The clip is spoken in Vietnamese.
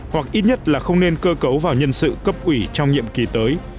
hoặc ít nhất là không nên cơ cấu vào nhân sự cấp ủy trong nhiệm kỳ tới